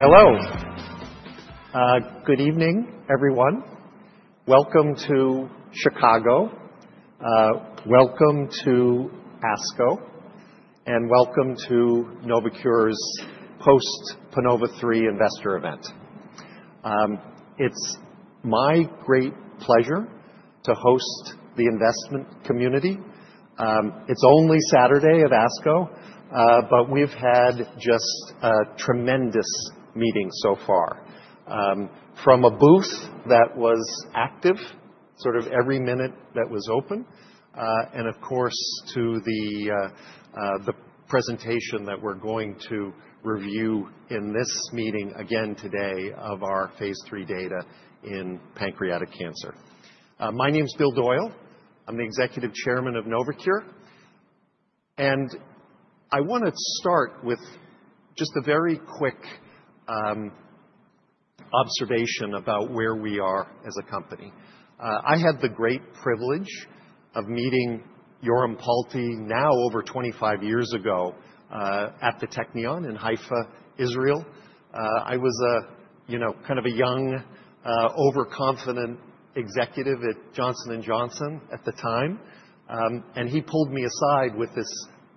Hello. Good evening, everyone. Welcome to Chicago. Welcome to ASCO, and welcome to Novocure's post-PANOVA-3 investor event. It's my great pleasure to host the investment community. It's only Saturday at ASCO, but we've had just a tremendous meeting so far from a booth that was active, sort of every minute that was open, and of course to the presentation that we're going to review in this meeting again today of our phase III data in pancreatic cancer. My name's Bill Doyle. I'm the Executive Chairman of Novocure, and I want to start with just a very quick observation about where we are as a company. I had the great privilege of meeting Yoram Palti now over 25 years ago, at the Technion in Haifa, Israel. I was a you know, kind of a young, overconfident executive at Johnson & Johnson at the time. And he pulled me aside with this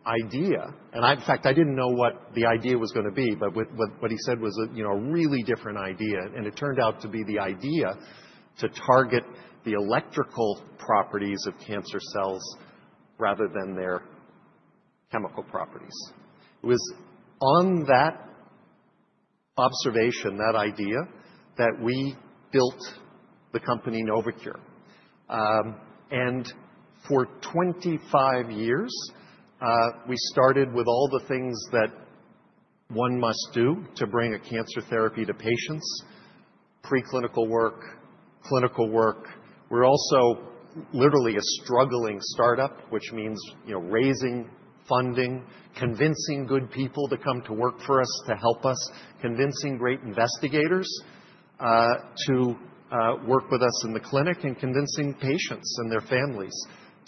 idea. And I, in fact, I didn't know what the idea was going to be, but what he said was a, you know, a really different idea. And it turned out to be the idea to target the electrical properties of cancer cells rather than their chemical properties. It was on that observation, that idea, that we built the company Novocure, and for 25 years, we started with all the things that one must do to bring a cancer therapy to patients: preclinical work, clinical work. We're also literally a struggling startup, which means, you know, raising funding, convincing good people to come to work for us, to help us, convincing great investigators, to, work with us in the clinic, and convincing patients and their families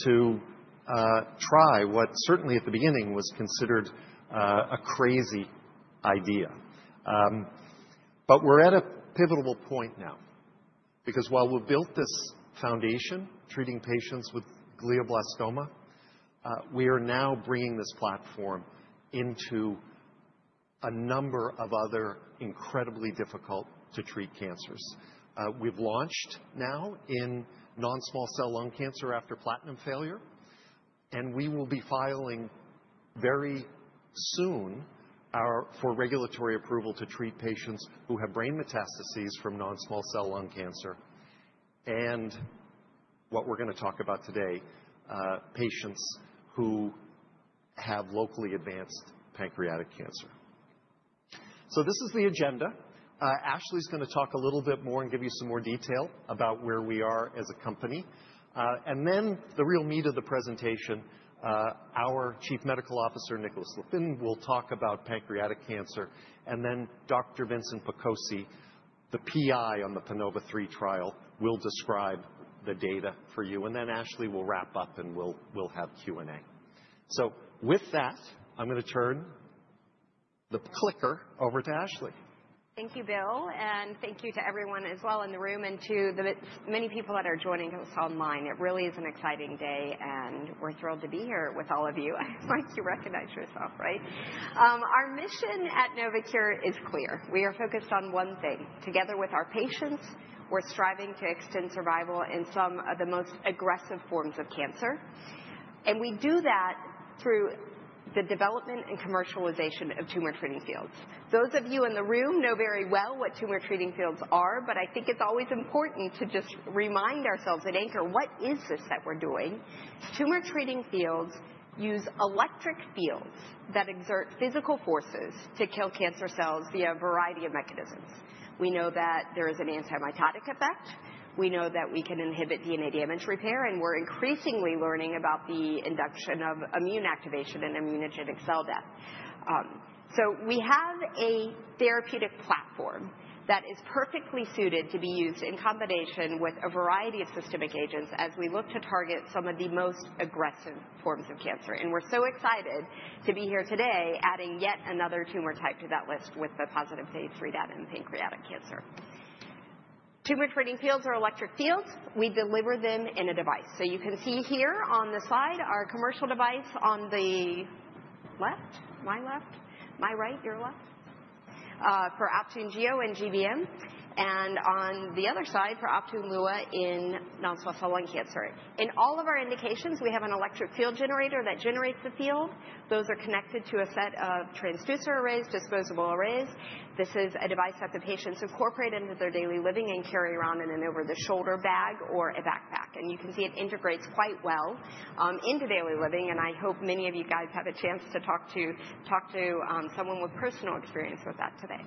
to, try what certainly at the beginning was considered, a crazy idea. But we're at a pivotal point now, because while we've built this foundation, treating patients with glioblastoma, we are now bringing this platform into a number of other incredibly difficult-to-treat cancers. We've launched now in non-small cell lung cancer after platinum failure, and we will be filing very soon our for regulatory approval to treat patients who have brain metastases from non-small cell lung cancer. And what we're going to talk about today, patients who have locally advanced pancreatic cancer. So this is the agenda. Ashley's going to talk a little bit more and give you some more detail about where we are as a company. And then the real meat of the presentation, our Chief Medical Officer, Nicolas Leupin, will talk about pancreatic cancer. And then Dr. Vincent Picozzi, the PI on the PANOVA-3 trial, will describe the data for you. And then Ashley will wrap up and we'll have Q&A. So with that, I'm going to turn the clicker over to Ashley. Thank you, Bill, and thank you to everyone as well in the room and to the many people that are joining us online. It really is an exciting day, and we're thrilled to be here with all of you. I just want you to recognize yourself, right? Our mission at Novocure is clear. We are focused on one thing. Together with our patients, we're striving to extend survival in some of the most aggressive forms of cancer, and we do that through the development and commercialization of Tumor Treating Fields. Those of you in the room know very well what Tumor Treating Fields are, but I think it's always important to just remind ourselves and anchor what is this that we're doing. Tumor Treating Fields use electric fields that exert physical forces to kill cancer cells via a variety of mechanisms. We know that there is an anti-mitotic effect. We know that we can inhibit DNA damage repair, and we're increasingly learning about the induction of immune activation and immunogenic cell death, so we have a therapeutic platform that is perfectly suited to be used in combination with a variety of systemic agents as we look to target some of the most aggressive forms of cancer, and we're so excited to be here today adding yet another tumor type to that list with the positive phase III data in pancreatic cancer. Tumor Treating Fields are electric fields. We deliver them in a device, so you can see here on the side our commercial device on the left, my left, my right, your left, for Optune Gio and GBM, and on the other side for Optune Lua in non-small cell lung cancer. In all of our indications, we have an electric field generator that generates the field. Those are connected to a set of transducer arrays, disposable arrays. This is a device that the patients incorporate into their daily living and carry around in an over-the-shoulder bag or a backpack. And you can see it integrates quite well into daily living. And I hope many of you guys have a chance to talk to someone with personal experience with that today.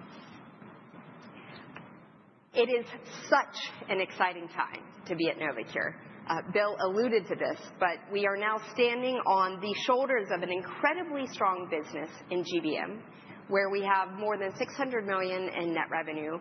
It is such an exciting time to be at Novocure. Bill alluded to this, but we are now standing on the shoulders of an incredibly strong business in GBM, where we have more than $600 million in net revenue,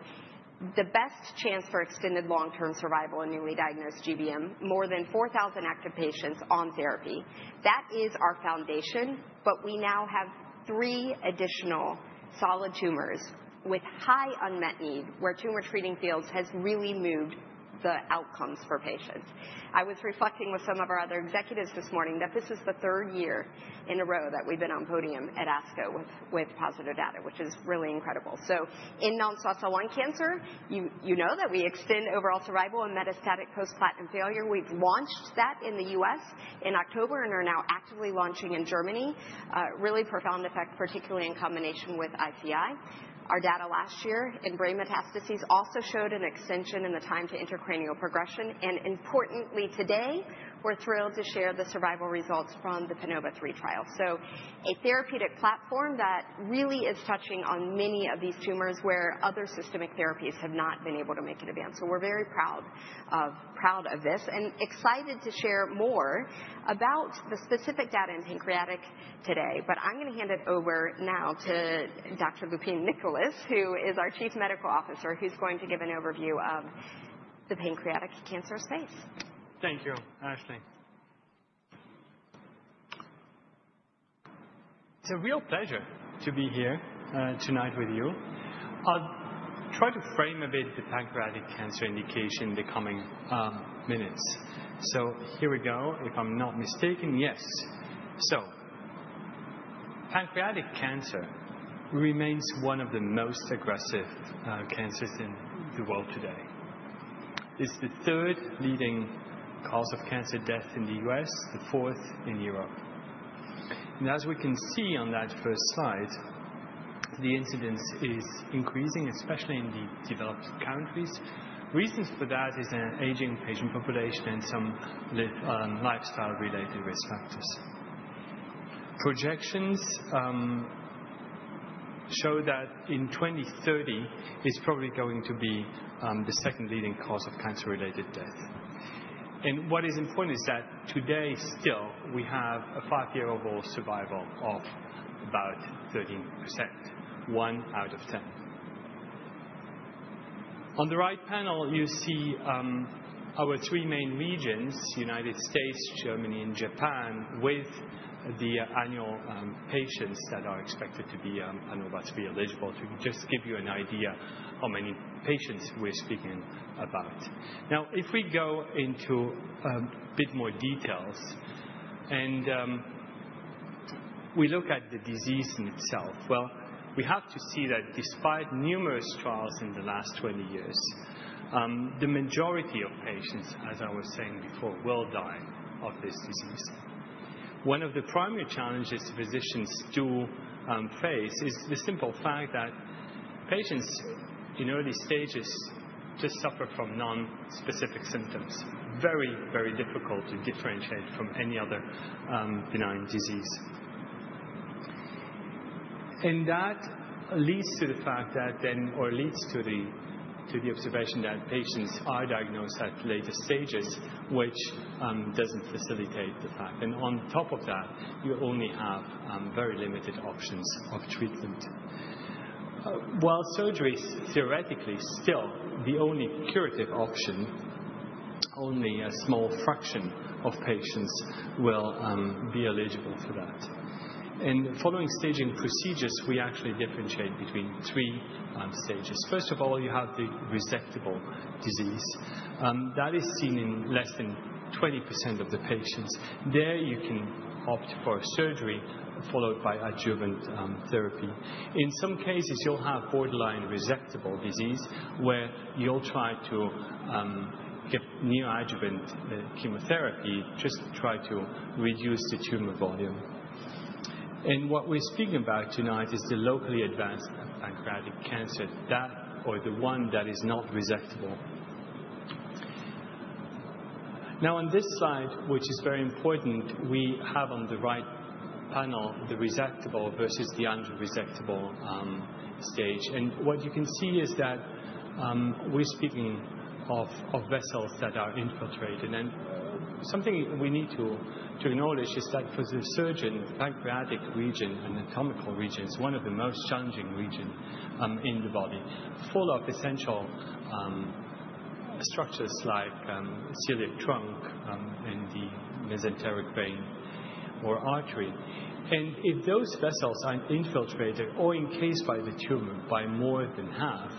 the best chance for extended long-term survival in newly diagnosed GBM, more than 4,000 active patients on therapy. That is our foundation, but we now have three additional solid tumors with high unmet need where Tumor Treating Fields has really moved the outcomes for patients. I was reflecting with some of our other executives this morning that this is the third year in a row that we've been on podium at ASCO with positive data, which is really incredible, so in non-small cell lung cancer, you know that we extend overall survival in metastatic post-platinum failure. We've launched that in the U.S. in October and are now actively launching in Germany, really profound effect, particularly in combination with ICI. Our data last year in brain metastases also showed an extension in the time to intracranial progression, and importantly today, we're thrilled to share the survival results from the PANOVA-3 trial, so a therapeutic platform that really is touching on many of these tumors where other systemic therapies have not been able to make it advance. So we're very proud of, proud of this and excited to share more about the specific data in pancreatic today. But I'm going to hand it over now to Dr. Nicolas Leupin, who is our Chief Medical Officer, who's going to give an overview of the pancreatic cancer space. Thank you, Ashley. It's a real pleasure to be here tonight with you. I'll try to frame a bit the pancreatic cancer indication in the coming minutes. So here we go. If I'm not mistaken, yes. So pancreatic cancer remains one of the most aggressive cancers in the world today. It's the third leading cause of cancer death in the U.S., the fourth in Europe. As we can see on that first slide, the incidence is increasing, especially in the developed countries. Reasons for that is an aging patient population and some lifestyle-related risk factors. Projections show that in 2030, it's probably going to be the second leading cause of cancer-related death. What is important is that today still we have a five-year survival of about 13%, one out of ten. On the right panel, you see our three main regions, United States, Germany, and Japan, with the annual patients that are expected to be PANOVA-3 eligible. To just give you an idea of how many patients we're speaking about. Now, if we go into a bit more details and we look at the disease in itself, well, we have to see that despite numerous trials in the last 20 years, the majority of patients, as I was saying before, will die of this disease. One of the primary challenges physicians do face is the simple fact that patients in early stages just suffer from non-specific symptoms. Very, very difficult to differentiate from any other benign disease. And that leads to the observation that patients are diagnosed at later stages, which doesn't facilitate the fact. And on top of that, you only have very limited options of treatment. While surgery is theoretically still the only curative option, only a small fraction of patients will be eligible for that. And following staging procedures, we actually differentiate between three stages. First of all, you have the resectable disease that is seen in less than 20% of the patients. There you can opt for surgery followed by adjuvant therapy. In some cases, you'll have borderline resectable disease where you'll try to give neoadjuvant chemotherapy just to try to reduce the tumor volume. And what we're speaking about tonight is the locally advanced pancreatic cancer that or the one that is not resectable. Now, on this slide, which is very important, we have on the right panel the resectable versus the unresectable stage. And what you can see is that we're speaking of vessels that are infiltrated. Something we need to acknowledge is that for the surgeon, the pancreatic region, anatomical region, is one of the most challenging regions in the body, full of essential structures like celiac trunk and the mesenteric vein or artery. If those vessels are infiltrated or encased by the tumor by more than half,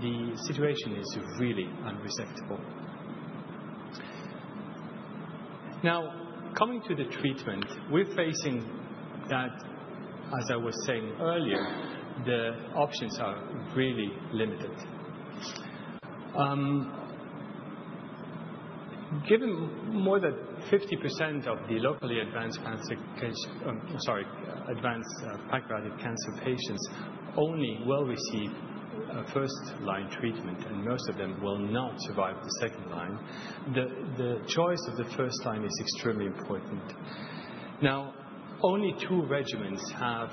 the situation is really unresectable. Now, coming to the treatment, we're facing that, as I was saying earlier, the options are really limited. Given more than 50% of the locally advanced cancer case, sorry, advanced pancreatic cancer patients only will receive a first-line treatment, and most of them will not survive the second line, the choice of the first line is extremely important. Now, only two regimens have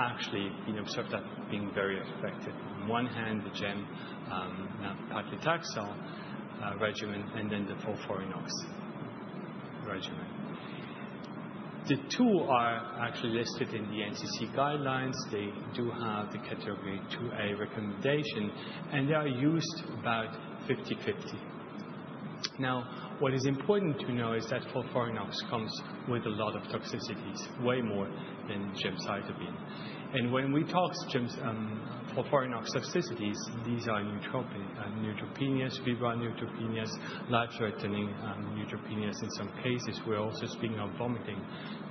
actually been observed as being very effective. On one hand, the gemcitabine + nab-paclitaxel regimen, and then the FOLFIRINOX regimen. The two are actually listed in the NCCN guidelines. They do have the category 2A recommendation, and they are used about 50/50. Now, what is important to know is that FOLFIRINOX comes with a lot of toxicities, way more than gemcitabine. And when we talk Gem's, FOLFIRINOX toxicities, these are neutropenia, neutropenias, febrile neutropenias, life-threatening neutropenias in some cases. We're also speaking of vomiting,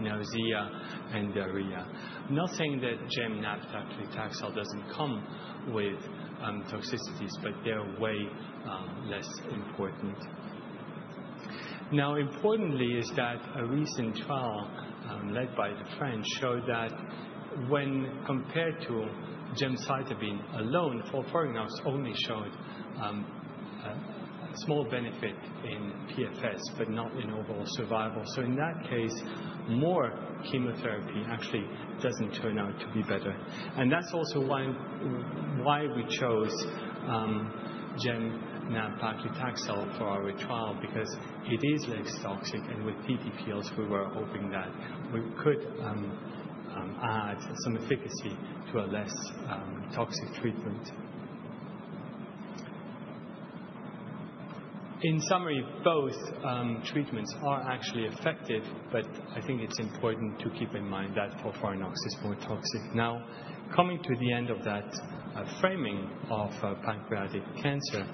nausea, and diarrhea. I'm not saying that Gem, nab-paclitaxel doesn't come with toxicities, but they're way less important. Now, importantly is that a recent trial, led by the French showed that when compared to gemcitabine alone, FOLFIRINOX only showed a small benefit in PFS, but not in overall survival. So in that case, more chemotherapy actually doesn't turn out to be better. And that's also why we chose Gem, nab-paclitaxel for our trial, because it is less toxic. With TTFields, we were hoping that we could add some efficacy to a less toxic treatment. In summary, both treatments are actually effective, but I think it's important to keep in mind that FOLFIRINOX is more toxic. Now, coming to the end of that framing of pancreatic cancer,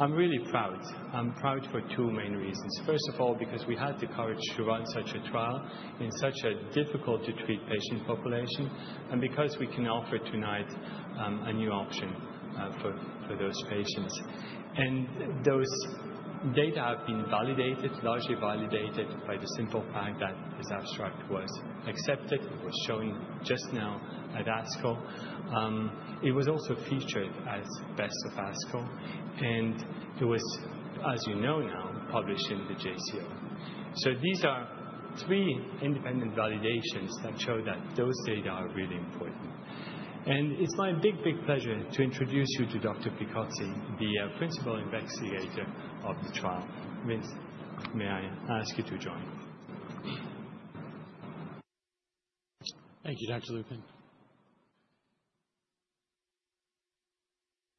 I'm really proud. I'm proud for two main reasons. First of all, because we had the courage to run such a trial in such a difficult-to-treat patient population, and because we can offer tonight a new option for those patients. Those data have been validated, largely validated by the simple fact that this abstract was accepted. It was shown just now at ASCO. It was also featured as Best of ASCO, and it was, as you know now, published in the JCO. These are three independent validations that show that those data are really important. It's my big, big pleasure to introduce you to Dr. Picozzi, the principal investigator of the trial. Vince, may I ask you to join? Thank you, Dr. Leupin.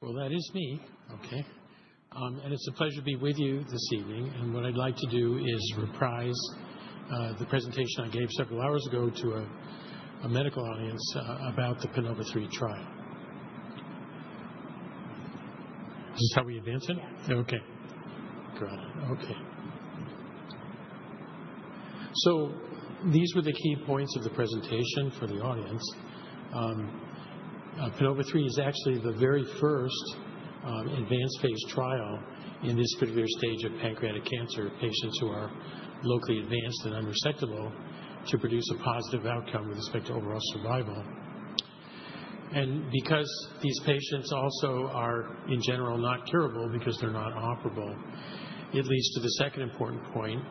Well, that is me. Okay, and it's a pleasure to be with you this evening. And what I'd like to do is reprise the presentation I gave several hours ago to a medical audience, about the PANOVA-3 trial. Is this how we advance it? Yeah. Okay. Got it. Okay. So these were the key points of the presentation for the audience. PANOVA-3 is actually the very first, advanced phase trial in this particular stage of pancreatic cancer of patients who are locally advanced and unresectable to produce a positive outcome with respect to overall survival. And because these patients also are, in general, not curable because they're not operable, it leads to the second important point,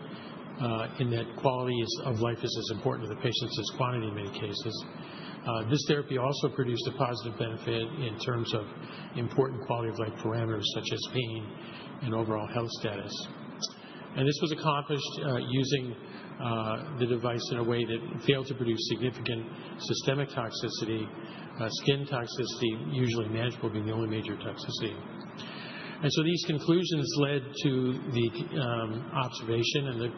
in that quality of life is as important to the patients as quantity in many cases. This therapy also produced a positive benefit in terms of important quality of life parameters such as pain and overall health status. And this was accomplished, using, the device in a way that failed to produce significant systemic toxicity, skin toxicity, usually manageable, being the only major toxicity. And so these conclusions led to the observation and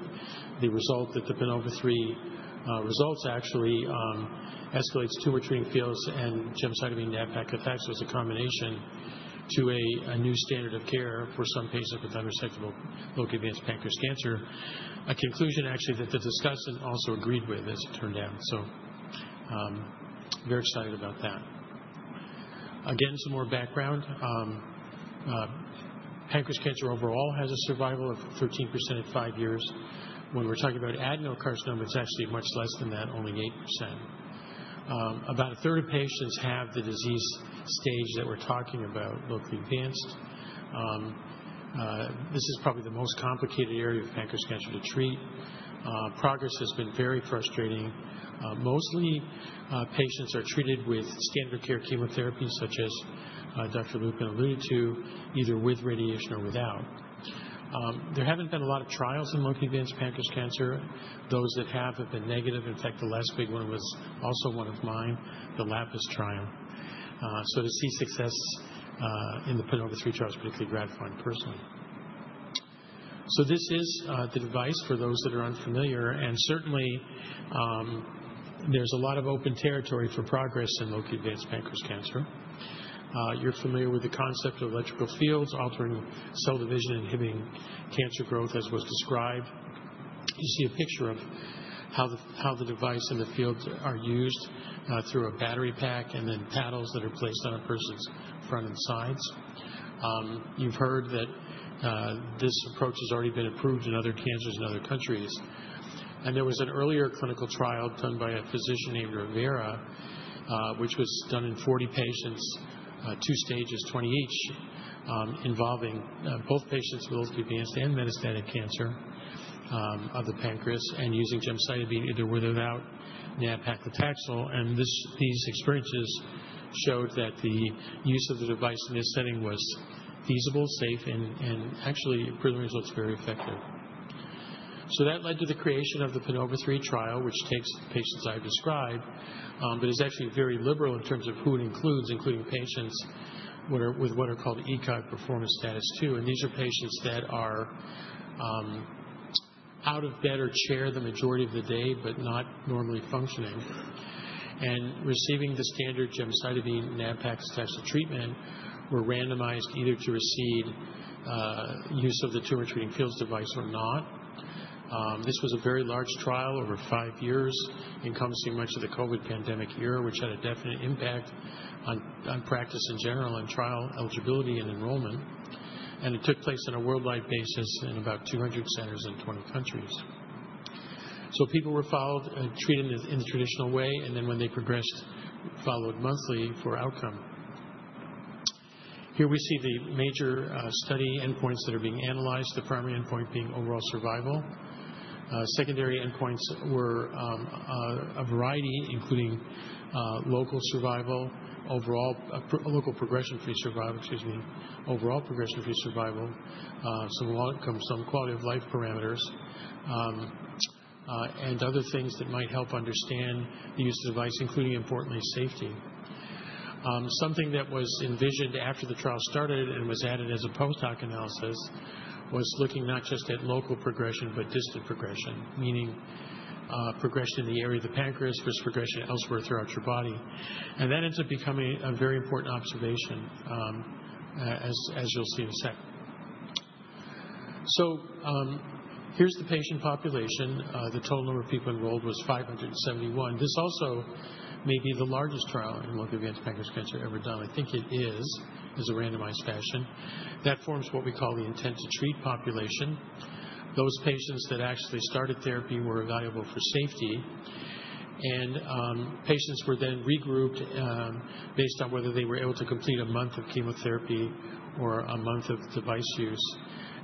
the result that the PANOVA-3 results actually escalates Tumor Treating Fields and gemcitabine and nab-paclitaxel as a combination to a new standard of care for some patients with unresectable locally advanced pancreatic cancer. A conclusion actually that the discussant also agreed with as it turned out. So, very excited about that. Again, some more background. Pancreatic cancer overall has a survival of 13% at five years. When we're talking about adenocarcinoma, it's actually much less than that, only 8%. About a third of patients have the disease stage that we're talking about, locally advanced. This is probably the most complicated area of pancreatic cancer to treat. Progress has been very frustrating. Mostly, patients are treated with standard of care chemotherapy such as Dr. Leupin alluded to, either with radiation or without. There haven't been a lot of trials in locally advanced pancreatic cancer. Those that have have been negative. In fact, the last big one was also one of mine, the LAPIS trial. To see success in the PANOVA-3 trial is particularly gratifying personally. This is the device for those that are unfamiliar. Certainly, there's a lot of open territory for progress in locally advanced pancreatic cancer. You're familiar with the concept of electrical fields altering cell division, inhibiting cancer growth as was described. You see a picture of how the device and the fields are used, through a battery pack and then paddles that are placed on a person's front and sides. You've heard that this approach has already been approved in other cancers in other countries. There was an earlier clinical trial done by a physician named Rivera, which was done in 40 patients, two stages, 20 each, involving both patients with locally advanced and metastatic cancer of the pancreas and using gemcitabine either with or without nab-paclitaxel. And this, these experiences showed that the use of the device in this setting was feasible, safe, and actually brilliant results, very effective. That led to the creation of the PANOVA-3 trial, which takes the patients I've described, but is actually very liberal in terms of who it includes, including patients with what are called ECOG performance status two. These are patients that are out of bed or chair the majority of the day, but not normally functioning. Receiving the standard gemcitabine and nab-paclitaxel treatment were randomized either to receive use of the Tumor Treating Fields device or not. This was a very large trial over five years, encompassing much of the COVID pandemic year, which had a definite impact on practice in general and trial eligibility and enrollment. It took place on a worldwide basis in about 200 centers in 20 countries. People were followed and treated in the traditional way, and then when they progressed, followed monthly for outcome. Here we see the major study endpoints that are being analyzed, the primary endpoint being overall survival. Secondary endpoints were a variety, including local survival, overall local progression-free survival. Excuse me, overall progression-free survival, some quality of life parameters, and other things that might help understand the use of the device, including importantly safety. Something that was envisioned after the trial started and was added as a post hoc analysis was looking not just at local progression, but distant progression, meaning progression in the area of the pancreas, distant progression elsewhere throughout your body. And that ends up becoming a very important observation, as, as you'll see in a sec. So, here's the patient population. The total number of people enrolled was 571. This also may be the largest trial in locally advanced pancreas cancer ever done. I think it is, in a randomized fashion. That forms what we call the intent to treat population. Those patients that actually started therapy were evaluable for safety. And patients were then regrouped, based on whether they were able to complete a month of chemotherapy or a month of device use.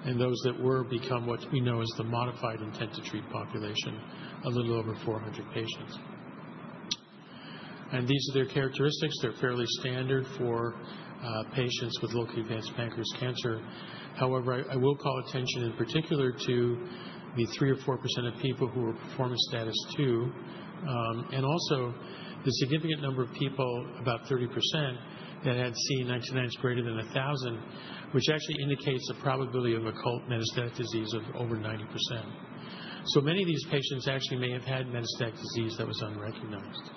Those that were become what we know as the modified intent to treat population, a little over 400 patients. These are their characteristics. They're fairly standard for patients with locally advanced pancreatic cancer. However, I, I will call attention in particular to the 3 or 4% of people who were performance status two, and also the significant number of people, about 30%, that had CA 19-9 greater than 1,000, which actually indicates a probability of occult metastatic disease of over 90%. So many of these patients actually may have had metastatic disease that was unrecognized.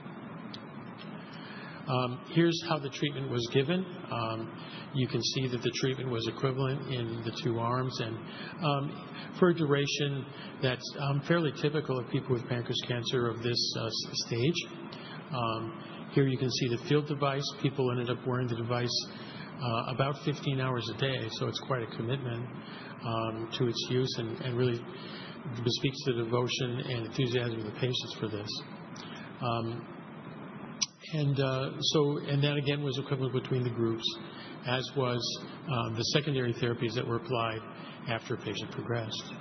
Here's how the treatment was given. You can see that the treatment was equivalent in the two arms and for a duration that's fairly typical of people with pancreas cancer of this stage. Here you can see the TTFields device. People ended up wearing the device about 15 hours a day. So it's quite a commitment to its use and really speaks to the devotion and enthusiasm of the patients for this. And that again was equivalent between the groups, as was the secondary therapies that were applied after a patient progressed.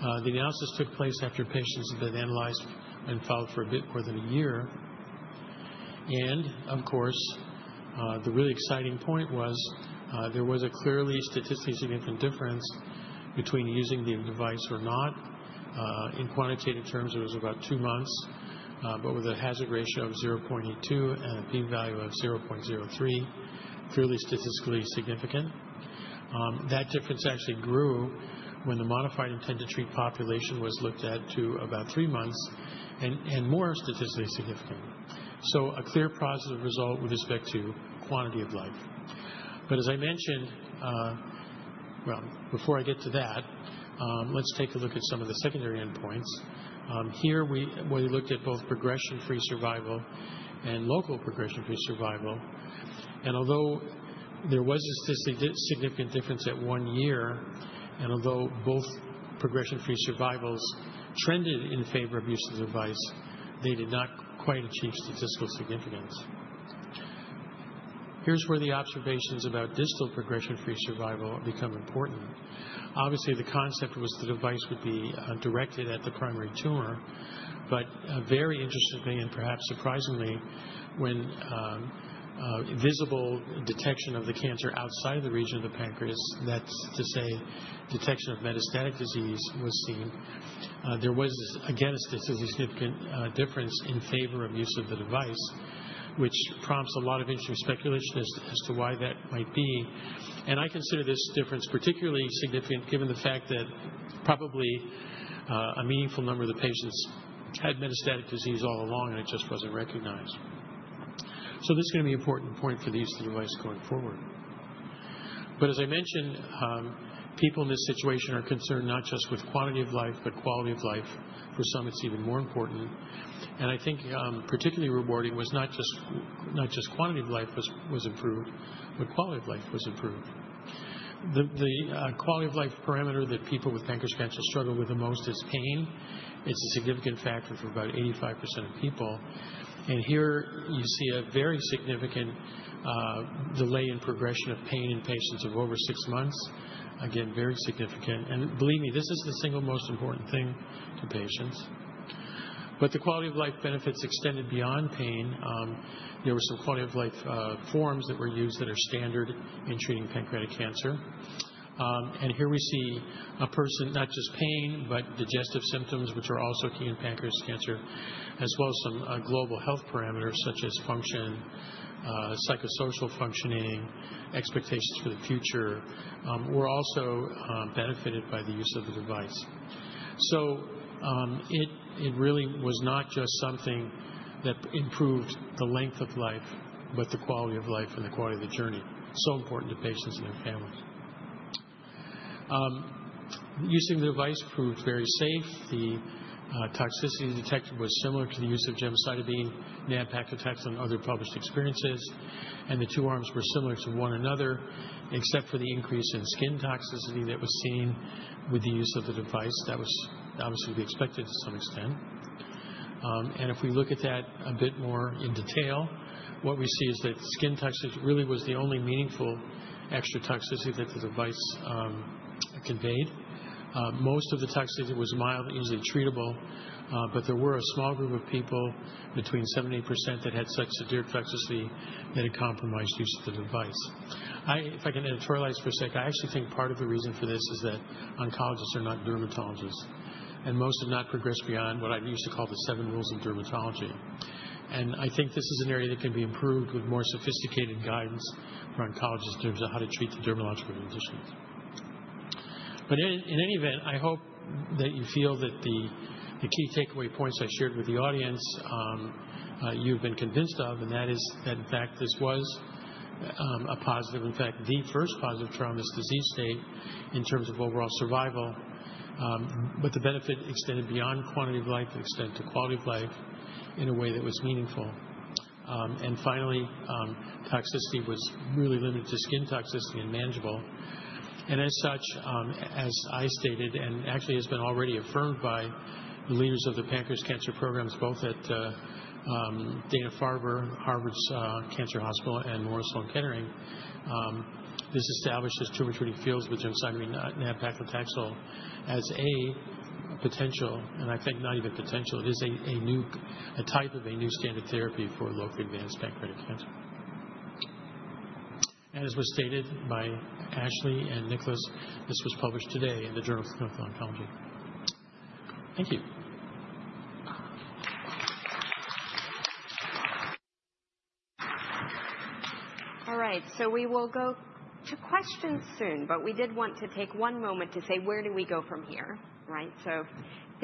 The analysis took place after patients had been analyzed and followed for a bit more than a year. And of course, the really exciting point was there was a clearly statistically significant difference between using the device or not. In quantitative terms, it was about two months, but with a hazard ratio of 0.82 and a p-value of 0.03, clearly statistically significant. That difference actually grew when the modified intent-to-treat population was looked at to about three months and more statistically significant. So a clear positive result with respect to quality of life. But as I mentioned, well, before I get to that, let's take a look at some of the secondary endpoints. Here we looked at both progression-free survival and local progression-free survival. Although there was a statistically significant difference at one year, and although both progression-free survivals trended in favor of use of the device, they did not quite achieve statistical significance. Here's where the observations about distant progression-free survival become important. Obviously, the concept was the device would be directed at the primary tumor, but very interestingly and perhaps surprisingly, when visible detection of the cancer outside of the region of the pancreas, that's to say detection of metastatic disease was seen, there was again a statistically significant difference in favor of use of the device, which prompts a lot of interesting speculation as to why that might be. I consider this difference particularly significant given the fact that probably, a meaningful number of the patients had metastatic disease all along, and it just wasn't recognized. This is going to be an important point for the use of the device going forward. As I mentioned, people in this situation are concerned not just with quantity of life, but quality of life. For some, it's even more important. I think, particularly rewarding was not just quantity of life was improved, but quality of life was improved. The quality of life parameter that people with pancreatic cancer struggle with the most is pain. It's a significant factor for about 85% of people. Here you see a very significant delay in progression of pain in patients of over six months. Again, very significant. Believe me, this is the single most important thing to patients. The quality of life benefits extended beyond pain. There were some quality of life forms that were used that are standard in treating pancreatic cancer. Here we see a person, not just pain, but digestive symptoms, which are also key in pancreatic cancer, as well as some global health parameters such as function, psychosocial functioning, expectations for the future. We are also benefited by the use of the device. It really was not just something that improved the length of life, but the quality of life and the quality of the journey. Important to patients and their families. Using the device proved very safe. The toxicity detected was similar to the use of gemcitabine, nab-paclitaxel, and other published experiences. And the two arms were similar to one another, except for the increase in skin toxicity that was seen with the use of the device. That was obviously to be expected to some extent. And if we look at that a bit more in detail, what we see is that skin toxicity really was the only meaningful extra toxicity that the device conveyed. Most of the toxicity was mild and easily treatable, but there were a small group of people, between 70% and 80%, that had such severe toxicity that it compromised use of the device. I, if I can editorialize for a sec, I actually think part of the reason for this is that oncologists are not dermatologists, and most have not progressed beyond what I used to call the seven rules of dermatology. I think this is an area that can be improved with more sophisticated guidance for oncologists in terms of how to treat the dermatological conditions. In any event, I hope that you feel that the key takeaway points I shared with the audience, you've been convinced of, and that is that in fact this was a positive, in fact, the first positive trial in this disease state in terms of overall survival. The benefit extended beyond quantity of life and extended to quality of life in a way that was meaningful. Finally, toxicity was really limited to skin toxicity and manageable. As such, as I stated, and actually has been already affirmed by the leaders of the pancreatic cancer programs, both at Dana-Farber Cancer Institute and Memorial Sloan Kettering Cancer Center, this established Tumor Treating Fields with gemcitabine, nab-paclitaxel as a potential, and I think not even potential. It is a, a new, a type of a new standard therapy for locally advanced pancreatic cancer. As was stated by Ashley and Nicolas, this was published today in the Journal of Clinical Oncology. Thank you. All right. So we will go to questions soon, but we did want to take one moment to say, where do we go from here? Right? So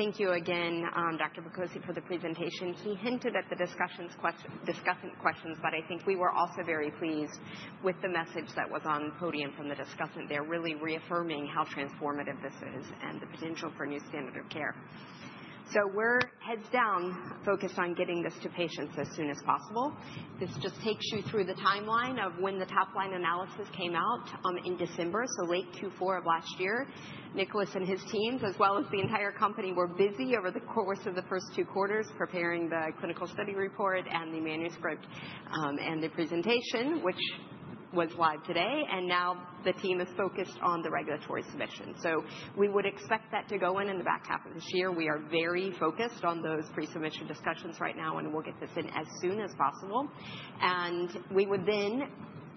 thank you again, Dr. Vincent Picozzi for the presentation. He hinted at the discussions, questions, discussant questions, but I think we were also very pleased with the message that was on the podium from the discussant there, really reaffirming how transformative this is and the potential for a new standard of care. So we're heads down, focused on getting this to patients as soon as possible. This just takes you through the timeline of when the top line analysis came out, in December, so late Q4 of last year. Nicolas and his teams, as well as the entire company, were busy over the course of the first two quarters preparing the clinical study report and the manuscript, and the presentation, which was live today, and now the team is focused on the regulatory submission. So we would expect that to go in in the back half of this year. We are very focused on those pre-submission discussions right now, and we'll get this in as soon as possible, and we would then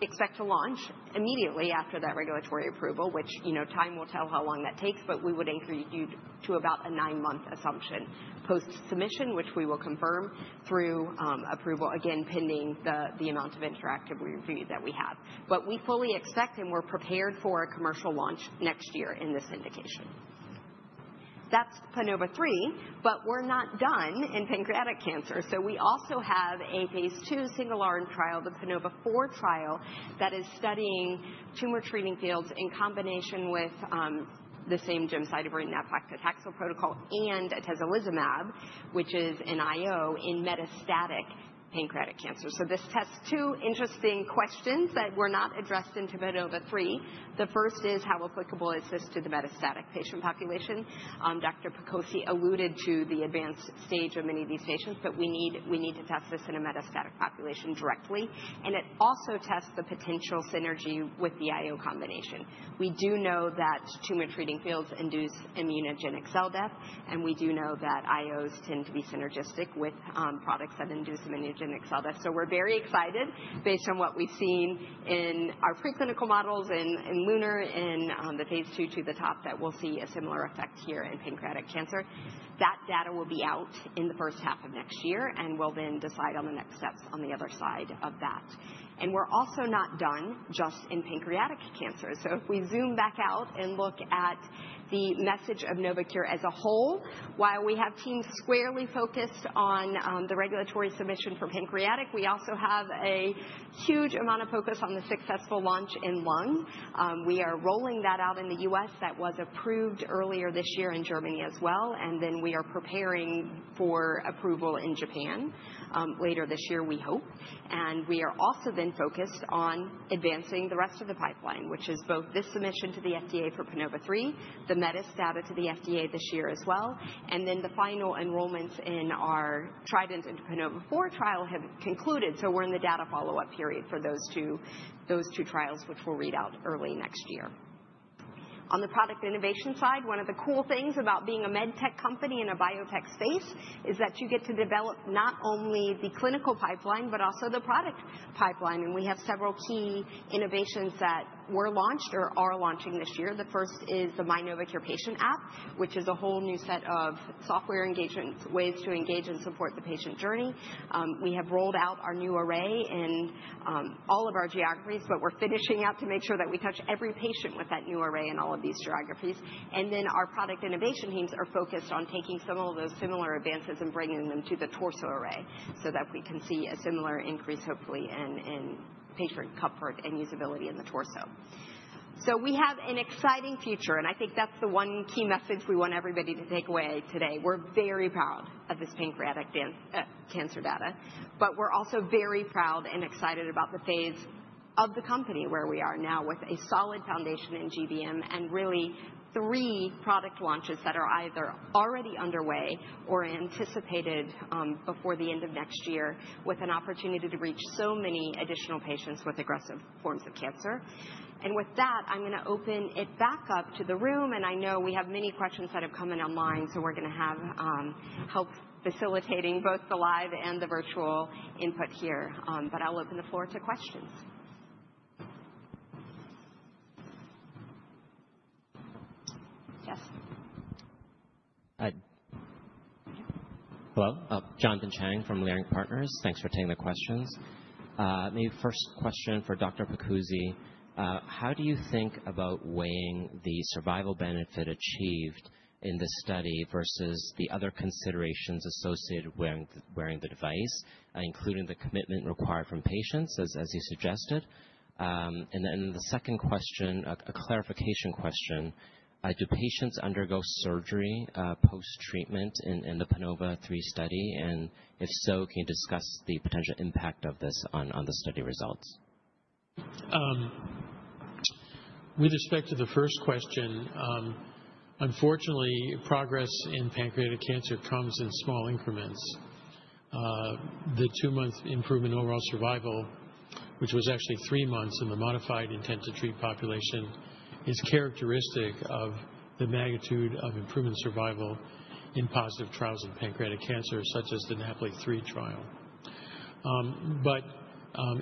expect to launch immediately after that regulatory approval, which, you know, time will tell how long that takes, but we would anchor you to about a nine-month assumption post-submission, which we will confirm through approval, again, pending the amount of interactive review that we have. But we fully expect and we're prepared for a commercial launch next year in this indication. That's PANOVA-3, but we're not done in pancreatic cancer. So we also have a phase two single-arm trial, the PANOVA-4 trial that is studying Tumor Treating Fields in combination with the same gemcitabine, nab-paclitaxel protocol and atezolizumab, which is an IO in metastatic pancreatic cancer. So this tests two interesting questions that were not addressed in PANOVA-3. The first is, how applicable is this to the metastatic patient population? Dr. Vincent Picozzi alluded to the advanced stage of many of these patients, but we need, we need to test this in a metastatic population directly. And it also tests the potential synergy with the IO combination. We do know that Tumor Treating Fields induce immunogenic cell death, and we do know that IOs tend to be synergistic with products that induce immunogenic cell death. So we're very excited based on what we've seen in our preclinical models and LUNAR and the phase two data that we'll see a similar effect here in pancreatic cancer. That data will be out in the first half of next year, and we'll then decide on the next steps on the other side of that. And we're also not done just in pancreatic cancer. So if we zoom back out and look at the mission of Novocure as a whole, while we have teams squarely focused on the regulatory submission for pancreatic, we also have a huge amount of focus on the successful launch in lung. We are rolling that out in the U.S. That was approved earlier this year in Germany as well. And then we are preparing for approval in Japan later this year, we hope. We are also then focused on advancing the rest of the pipeline, which is both this submission to the FDA for PANOVA-3, the metastatic data to the FDA this year as well. The final enrollments in our TRIDENT and PANOVA-4 trial have concluded. We're in the data follow-up period for those two trials, which we'll read out early next year. On the product innovation side, one of the cool things about being a med tech company in a biotech space is that you get to develop not only the clinical pipeline, but also the product pipeline. We have several key innovations that were launched or are launching this year. The first is the MyNovocure Patient app, which is a whole new set of software engagements, ways to engage and support the patient journey. We have rolled out our new array in all of our geographies, but we're finishing up to make sure that we touch every patient with that new array in all of these geographies. And then our product innovation teams are focused on taking some of those similar advances and bringing them to the torso array so that we can see a similar increase, hopefully, in patient comfort and usability in the torso. So we have an exciting future, and I think that's the one key message we want everybody to take away today. We're very proud of this pancreatic cancer data, but we're also very proud and excited about the phase of the company where we are now with a solid foundation in GBM and really three product launches that are either already underway or anticipated before the end of next year with an opportunity to reach so many additional patients with aggressive forms of cancer. And with that, I'm going to open it back up to the room. And I know we have many questions that have come in online, so we're going to have help facilitating both the live and the virtual input here, but I'll open the floor to questions. Yes. Hi. Hello. Jonathan Chang from Leerink Partners. Thanks for taking the questions. Maybe first question for Dr. Vincent Picozzi. How do you think about weighing the survival benefit achieved in this study versus the other considerations associated with wearing the device, including the commitment required from patients, as you suggested? And then the second question, a clarification question. Do patients undergo surgery post-treatment in the PANOVA-3 study? And if so, can you discuss the potential impact of this on the study results? With respect to the first question, unfortunately, progress in pancreatic cancer comes in small increments. The two-month improvement overall survival, which was actually three months in the modified intent to treat population, is characteristic of the magnitude of improvement survival in positive trials in pancreatic cancer, such as the NAPOLI-3 trial, but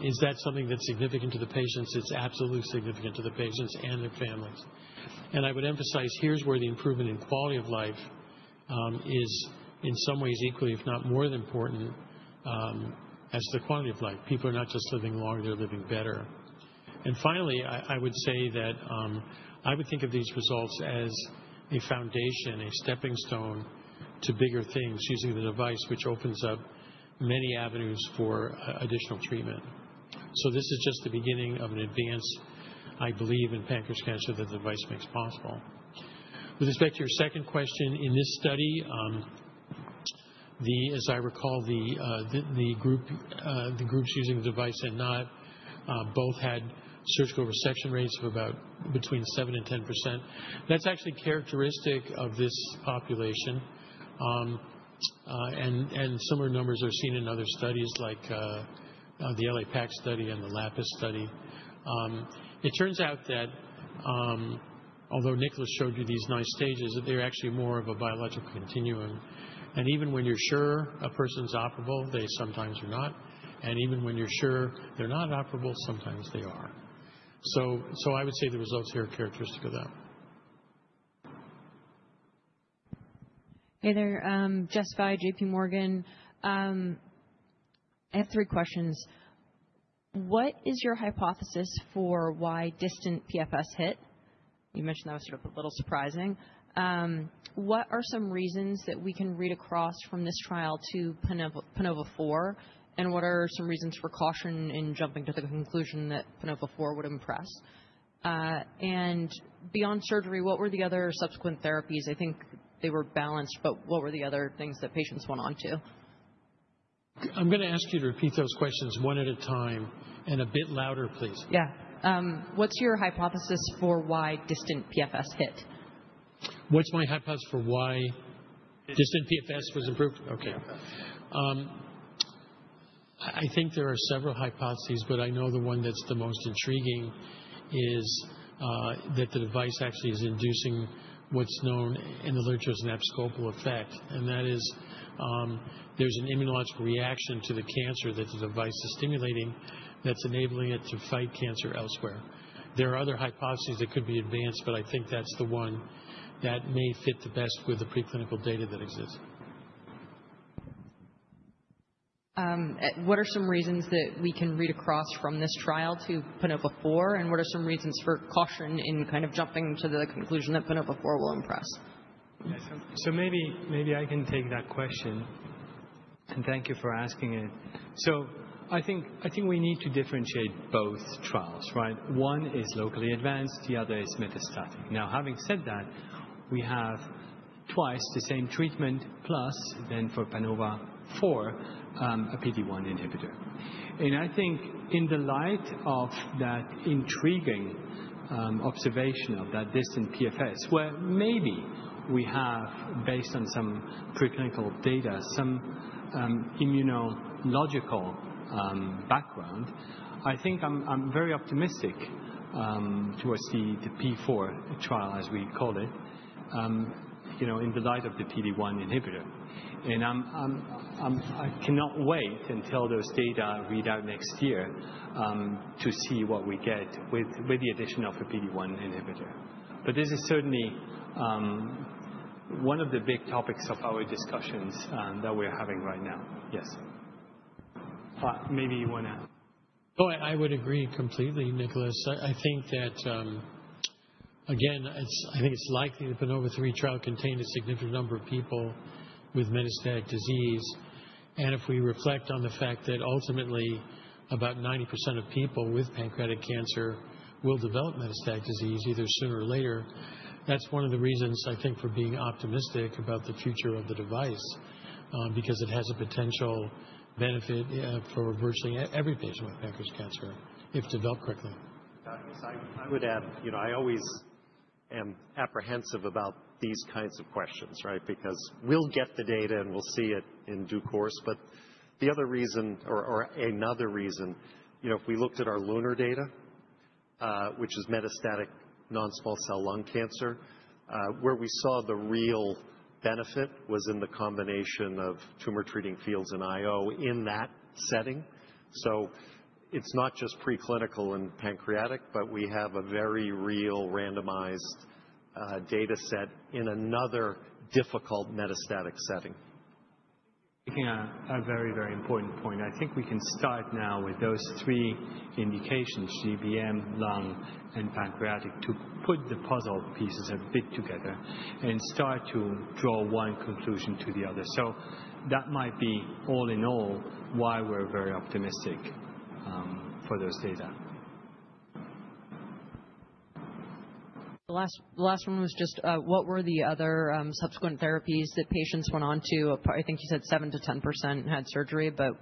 is that something that's significant to the patients? It's absolutely significant to the patients and their families. And I would emphasize, here's where the improvement in quality of life is in some ways equally, if not more than important, as the quality of life. People are not just living longer, they're living better. And finally, I would say that I would think of these results as a foundation, a stepping stone to bigger things using the device, which opens up many avenues for additional treatment. So this is just the beginning of an advance, I believe, in pancreatic cancer that the device makes possible. With respect to your second question, in this study, as I recall, the groups using the device and not both had surgical resection rates of about between 7% and 10%. That's actually characteristic of this population, and similar numbers are seen in other studies like the LAPACT study and the LAPIS study. It turns out that, although Nicolas showed you these nice stages, they're actually more of a biological continuum. And even when you're sure a person's operable, they sometimes are not. And even when you're sure they're not operable, sometimes they are. So I would say the results here are characteristic of that. Hey there, Jessica Fye, J.P. Morgan. I have three questions. What is your hypothesis for why distant PFS hit? You mentioned that was sort of a little surprising. What are some reasons that we can read across from this trial to PANOVA-4, and what are some reasons for caution in jumping to the conclusion that PANOVA-4 would impress? And beyond surgery, what were the other subsequent therapies? I think they were balanced, but what were the other things that patients went on to? I'm going to ask you to repeat those questions one at a time and a bit louder, please. Yeah. What's your hypothesis for why distant PFS hit? What's my hypothesis for why distant PFS was improved? Okay. I think there are several hypotheses, but I know the one that's the most intriguing is, that the device actually is inducing what's known in the literature as an abscopal effect, and that is, there's an immunological reaction to the cancer that the device is stimulating that's enabling it to fight cancer elsewhere. There are other hypotheses that could be advanced, but I think that's the one that may fit the best with the preclinical data that exists. What are some reasons that we can read across from this trial to PANOVA-4, and what are some reasons for caution in kind of jumping to the conclusion that PANOVA-4 will impress? So maybe I can take that question and thank you for asking it. So I think we need to differentiate both trials, right? One is locally advanced, the other is metastatic. Now, having said that, we have twice the same treatment plus then for PANOVA-4, a PD-1 inhibitor. And I think in the light of that intriguing observation of that distant PFS, where maybe we have, based on some preclinical data, some immunological background, I think I'm very optimistic towards the PANOVA-4 trial, as we call it, you know, in the light of the PD-1 inhibitor. And I'm I cannot wait until those data read out next year, to see what we get with the addition of a PD-1 inhibitor. But this is certainly one of the big topics of our discussions that we're having right now. Yes. Maybe you want to. Oh, I would agree completely, Nicolas. I think that, again, it's likely the PANOVA-3 trial contained a significant number of people with metastatic disease. And if we reflect on the fact that ultimately about 90% of people with pancreatic cancer will develop metastatic disease either sooner or later, that's one of the reasons I think for being optimistic about the future of the device, because it has a potential benefit for virtually every patient with pancreatic cancer if developed correctly. Doctor, so I would add, you know, I always am apprehensive about these kinds of questions, right? Because we'll get the data and we'll see it in due course. But the other reason, or another reason, you know, if we looked at our LUNAR data, which is metastatic non-small cell lung cancer, where we saw the real benefit was in the combination of Tumor Treating Fields and IO in that setting. So it's not just preclinical and pancreatic, but we have a very real randomized data set in another difficult metastatic setting. Thank you for making a very, very important point. I think we can start now with those three indications, GBM, lung, and pancreatic, to put the puzzle pieces a bit together and start to draw one conclusion to the other. So that might be all in all why we're very optimistic for those data. The last one was just, what were the other subsequent therapies that patients went on to? I think you said 7%-10% had surgery, but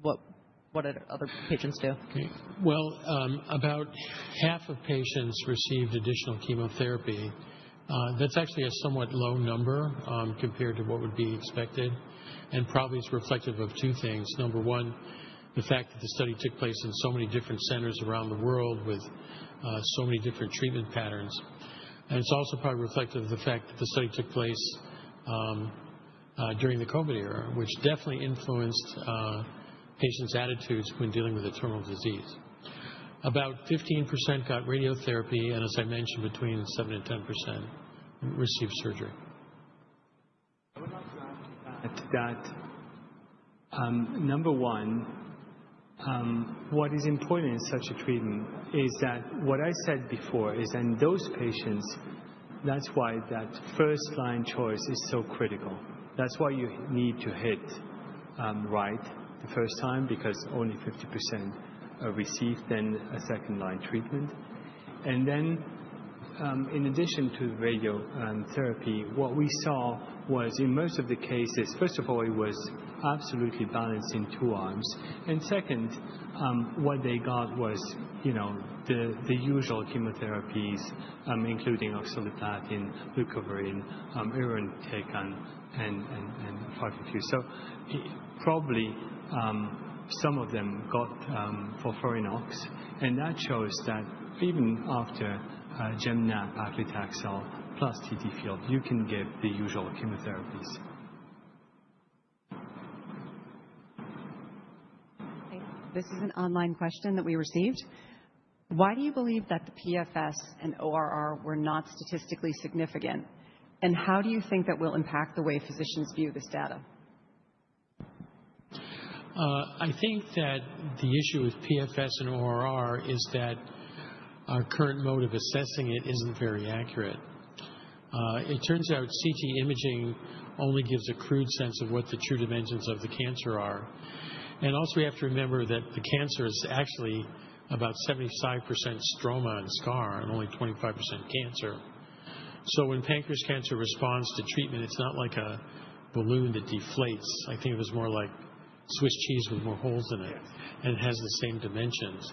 what did other patients do? Okay. Well, about half of patients received additional chemotherapy. That's actually a somewhat low number, compared to what would be expected, and probably it's reflective of two things. Number one, the fact that the study took place in so many different centers around the world with so many different treatment patterns, and it's also probably reflective of the fact that the study took place during the COVID era, which definitely influenced patients' attitudes when dealing with a terminal disease. About 15% got radiotherapy, and as I mentioned, between seven and 10% received surgery. I would like to ask you that, number one, what is important in such a treatment is that what I said before is in those patients, that's why that first line choice is so critical. That's why you need to hit right the first time, because only 50% receive then a second line treatment. And then, in addition to the radiotherapy, what we saw was in most of the cases, first of all, it was absolutely balanced in two arms. And second, what they got was the usual chemotherapies, including oxaliplatin, leucovorin, irinotecan and 5-FU. So probably, some of them got FOLFIRINOX. And that shows that even after gemcitabine, paclitaxel plus TTFields, you can get the usual chemotherapies. This is an online question that we received. Why do you believe that the PFS and ORR were not statistically significant? And how do you think that will impact the way physicians view this data? I think that the issue with PFS and ORR is that our current mode of assessing it isn't very accurate. It turns out CT imaging only gives a crude sense of what the true dimensions of the cancer are, and also, we have to remember that the cancer is actually about 75% stroma and scar and only 25% cancer, so when pancreas cancer responds to treatment, it's not like a balloon that deflates. I think it was more like Swiss cheese with more holes in it, and it has the same dimensions,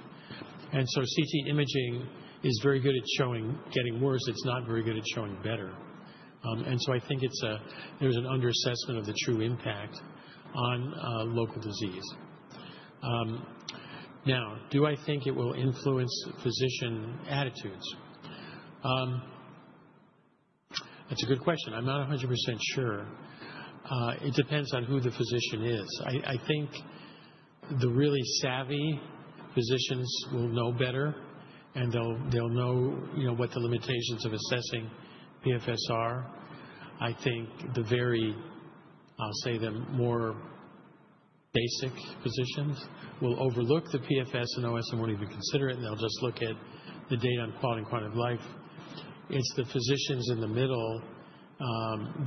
and so CT imaging is very good at showing getting worse. It's not very good at showing better, and so I think it's a, there's an underassessment of the true impact on, local disease. Now, do I think it will influence physician attitudes? That's a good question. I'm not 100% sure. It depends on who the physician is. I think the really savvy physicians will know better, and they'll know, you know, what the limitations of assessing PFS are. I think the very, I'll say the more basic physicians will overlook the PFS and OS and won't even consider it, and they'll just look at the data on quality and quantity of life. It's the physicians in the middle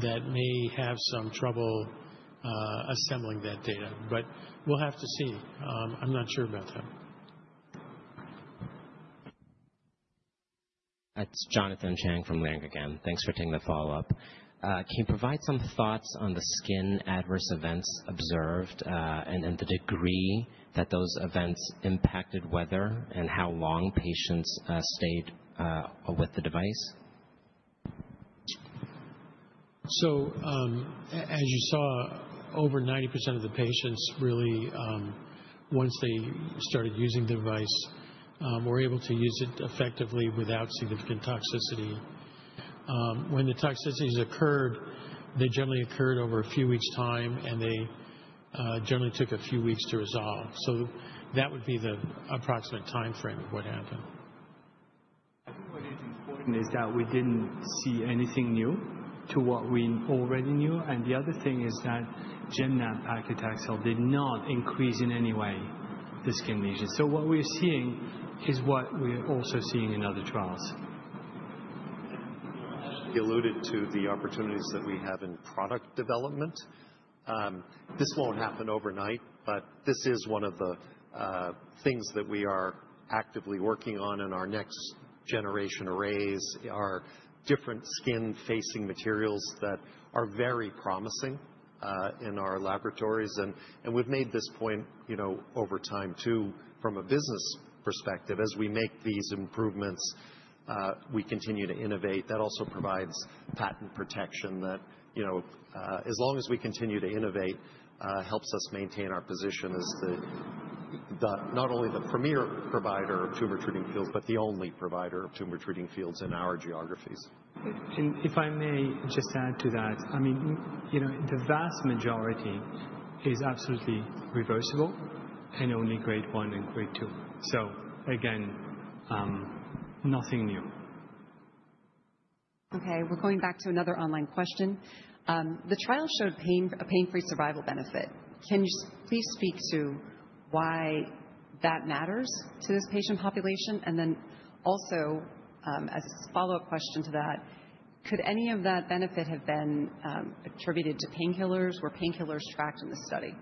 that may have some trouble assembling that data, but we'll have to see. I'm not sure about that. That's Jonathan Chang from Leerink again. Thanks for taking the follow-up. Can you provide some thoughts on the skin adverse events observed, and the degree that those events impacted wear and how long patients stayed with the device? So, as you saw, over 90% of the patients really, once they started using the device, were able to use it effectively without significant toxicity. When the toxicities occurred, they generally occurred over a few weeks' time, and they generally took a few weeks to resolve. So that would be the approximate timeframe of what happened. I think what is important is that we didn't see anything new to what we already knew, and the other thing is that gemcitabine and paclitaxel did not increase in any way the skin lesions, so what we're seeing is what we're also seeing in other trials. You alluded to the opportunities that we have in product development. This won't happen overnight, but this is one of the things that we are actively working on in our next generation arrays, our different skin-facing materials that are very promising, in our laboratories. And we've made this point, you know, over time too, from a business perspective, as we make these improvements, we continue to innovate. That also provides patent protection that, you know, as long as we continue to innovate, helps us maintain our position as the not only the premier provider of Tumor Treating Fields, but the only provider of Tumor Treating Fields in our geographies. And if I may just add to that, I mean, you know, the vast majority is absolutely reversible and only grade one and grade two. So again, nothing new. Okay. We're going back to another online question. The trial showed pain, a pain-free survival benefit. Can you please speak to why that matters to this patient population? And then also, as a follow-up question to that, could any of that benefit have been attributed to painkillers? Were painkillers tracked in the study?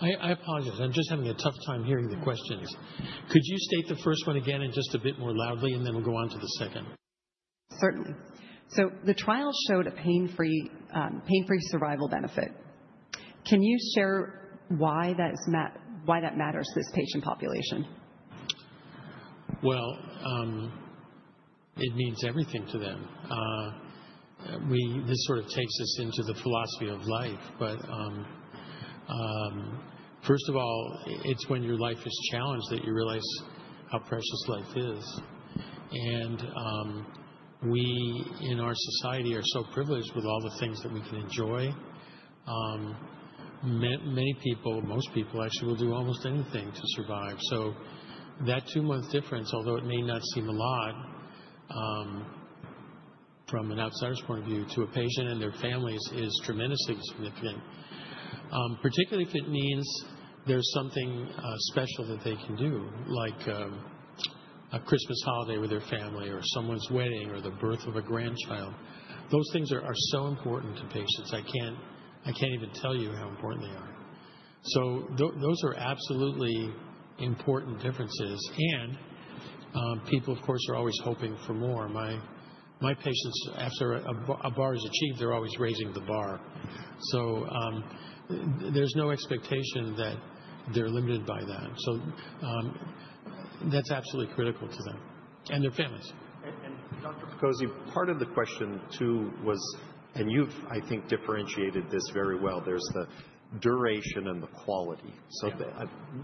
I apologize. I'm just having a tough time hearing the questions. Could you state the first one again and just a bit more loudly, and then we'll go on to the second? Certainly. The trial showed a progression-free survival benefit. Can you share why that matters to this patient population? Well, it means everything to them. This sort of takes us into the philosophy of life, but first of all, it's when your life is challenged that you realize how precious life is. And we in our society are so privileged with all the things that we can enjoy. Many, many people, most people actually, will do almost anything to survive. So that two-month difference, although it may not seem a lot, from an outsider's point of view to a patient and their families is tremendously significant, particularly if it means there's something special that they can do, like a Christmas holiday with their family or someone's wedding or the birth of a grandchild. Those things are so important to patients. I can't even tell you how important they are. So those are absolutely important differences. And people, of course, are always hoping for more. My patients, after a bar is achieved, they're always raising the bar. So, there's no expectation that they're limited by that. So, that's absolutely critical to them and their families. Dr. Picozzi, part of the question too was, and you've, I think, differentiated this very well. There's the duration and the quality. So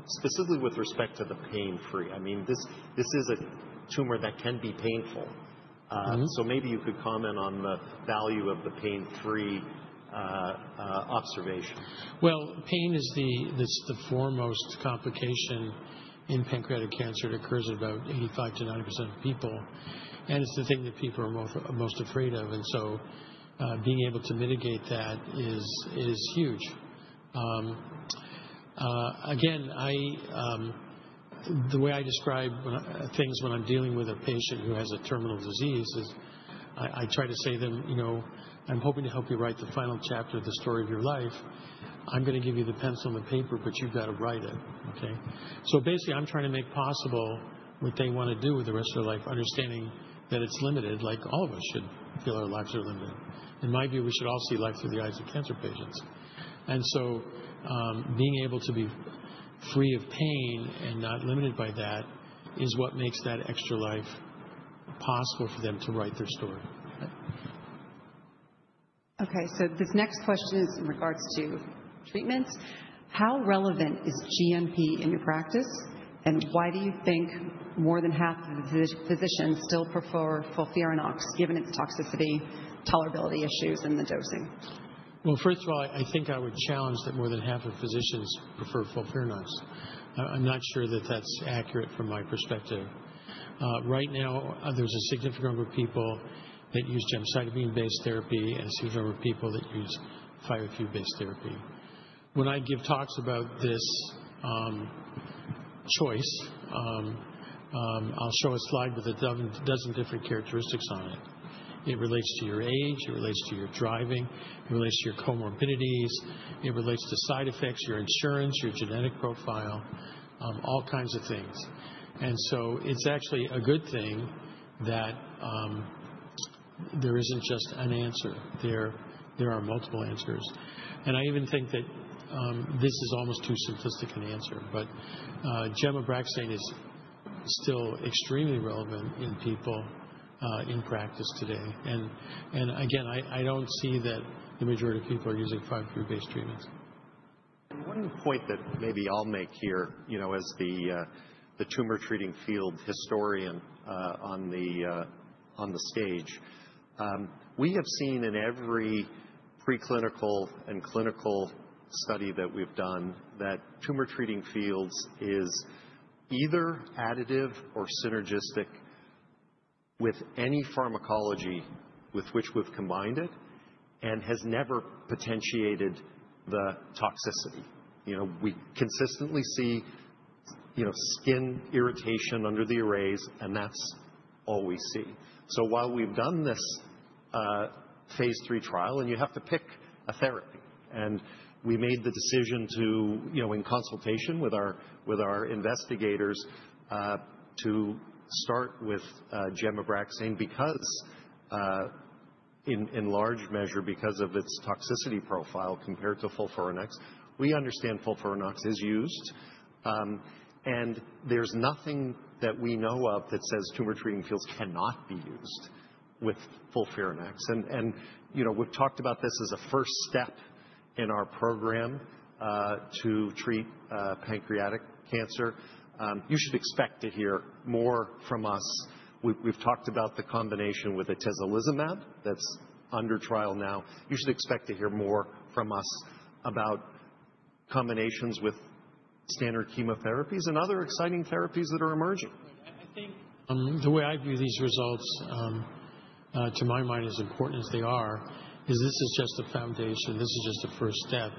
specifically with respect to the pain-free, I mean, this is a tumor that can be painful. So maybe you could comment on the value of the pain-free observation. Pain is the foremost complication in pancreatic cancer. It occurs in about 85%-90% of people. It's the thing that people are most afraid of. So, being able to mitigate that is huge. Again, the way I describe things when I'm dealing with a patient who has a terminal disease is I try to say to them, you know, I'm hoping to help you write the final chapter of the story of your life. I'm going to give you the pencil and the paper, but you've got to write it. Okay? So basically, I'm trying to make possible what they want to do with the rest of their life, understanding that it's limited, like all of us should feel our lives are limited. In my view, we should all see life through the eyes of cancer patients. And so, being able to be free of pain and not limited by that is what makes that extra life possible for them to write their story. Okay. This next question is in regards to treatment. How relevant is GnP in your practice? And why do you think more than half of the physicians still prefer FOLFIRINOX given its toxicity, tolerability issues, and the dosing? First of all, I think I would challenge that more than half of physicians prefer FOLFIRINOX. I'm not sure that that's accurate from my perspective. Right now, there's a significant number of people that use gemcitabine-based therapy and a significant number of people that use thyr oid-based therapy. When I give talks about this choice, I'll show a slide with a dozen different characteristics on it. It relates to your age. It relates to your driving. It relates to your comorbidities. It relates to side effects, your insurance, your genetic profile, all kinds of things. And so it's actually a good thing that there isn't just an answer. There are multiple answers. And I even think that this is almost too simplistic an answer, but Gem/Abraxane is still extremely relevant in people, in practice today. Again, I don't see that the majority of people are using FOLFIRINOX-based treatments. One point that maybe I'll make here, you know, as the Tumor Treating Field historian, on the stage, we have seen in every preclinical and clinical study that we've done that Tumor Treating Fields is either additive or synergistic with any pharmacology with which we've combined it and has never potentiated the toxicity. You know, we consistently see, you know, skin irritation under the arrays, and that's all we see. So while we've done this phase three trial, and you have to pick a therapy, and we made the decision to, you know, in consultation with our investigators, to start with Gem/Abraxane because, in large measure because of its toxicity profile compared to FOLFIRINOX, we understand FOLFIRINOX is used, and there's nothing that we know of that says Tumor Treating Fields cannot be used with FOLFIRINOX. You know, we've talked about this as a first step in our program to treat pancreatic cancer. You should expect to hear more from us. We've talked about the combination with atezolizumab that's under trial now. You should expect to hear more from us about combinations with standard chemotherapies and other exciting therapies that are emerging. I think the way I view these results, to my mind, as important as they are, is this is just a foundation. This is just a first step.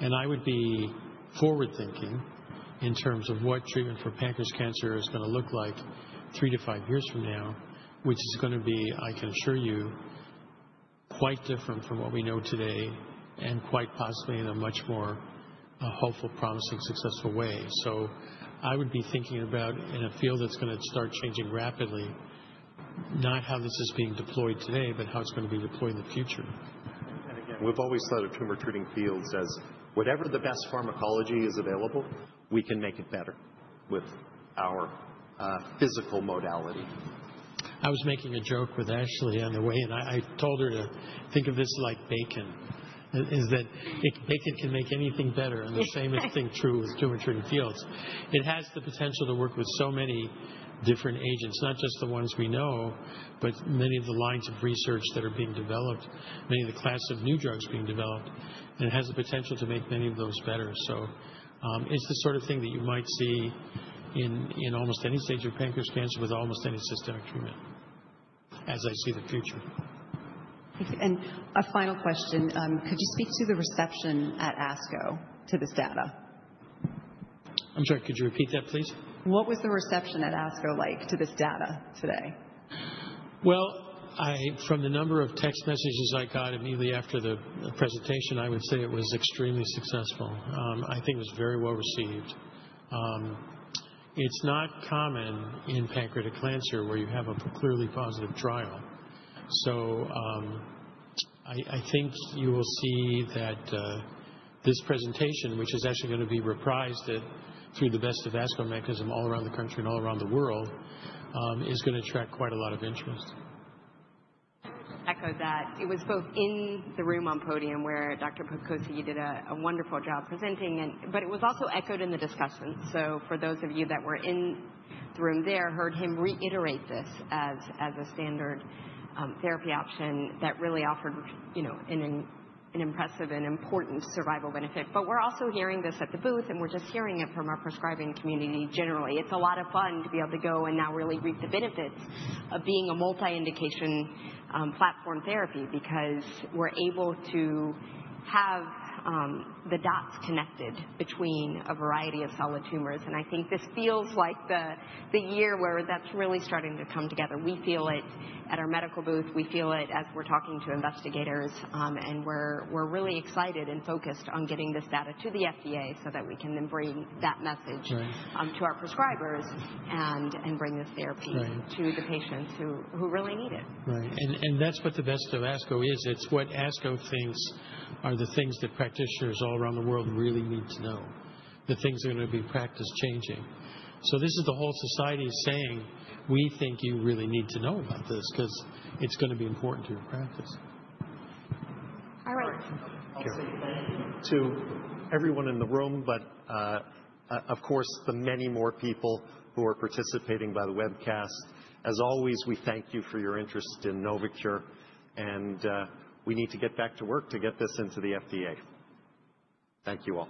And I would be forward-thinking in terms of what treatment for pancreatic cancer is going to look like three to five years from now, which is going to be, I can assure you, quite different from what we know today and quite possibly in a much more hopeful, promising, successful way. So I would be thinking about, in a field that's going to start changing rapidly, not how this is being deployed today, but how it's going to be deployed in the future. Again, we've always said of Tumor Treating Fields as whatever the best pharmacology is available, we can make it better with our physical modality. I was making a joke with Ashley on the way, and I told her to think of this like bacon, in that bacon can make anything better. And the same is true with Tumor Treating Fields. It has the potential to work with so many different agents, not just the ones we know, but many of the lines of research that are being developed, many of the class of new drugs being developed, and it has the potential to make many of those better. So, it is the sort of thing that you might see in almost any stage of pancreatic cancer with almost any systemic treatment. As I see the future. Thank you. And a final question. Could you speak to the reception at ASCO to this data? I'm sorry. Could you repeat that, please? What was the reception at ASCO like to this data today? I, from the number of text messages I got immediately after the presentation, I would say it was extremely successful. I think it was very well received. It's not common in pancreatic cancer where you have a clearly positive trial. So, I think you will see that this presentation, which is actually going to be reprised through the Best of ASCO mechanism all around the country and all around the world, is going to attract quite a lot of interest. Echoed that. It was both in the room on podium where Dr. Picozzi did a wonderful job presenting, but it was also echoed in the discussion. So for those of you that were in the room there, heard him reiterate this as a standard therapy option that really offered, you know, an impressive and important survival benefit. But we're also hearing this at the booth, and we're just hearing it from our prescribing community generally. It's a lot of fun to be able to go and now really reap the benefits of being a multi-indication platform therapy because we're able to have the dots connected between a variety of solid tumors. And I think this feels like the year where that's really starting to come together. We feel it at our medical booth. We feel it as we're talking to investigators, and we're really excited and focused on getting this data to the FDA so that we can then bring that message to our prescribers and bring this therapy to the patients who really need it. Right. And that's what the Best of ASCO is. It's what ASCO thinks are the things that practitioners all around the world really need to know, the things that are going to be practice changing. So this is the whole society saying, we think you really need to know about this because it's going to be important to your practice. All right. All right. Thank you. To everyone in the room, but, of course, the many more people who are participating by the webcast, as always, we thank you for your interest in Novocure. We need to get back to work to get this into the FDA. Thank you all.